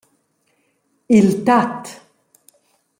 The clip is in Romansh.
«Il tat.»